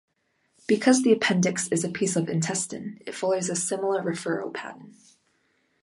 Because the appendix is a piece of intestine, it follows a similar referral pattern.